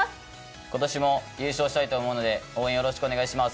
今年も優勝したいと思うので応援よろしくお願いします。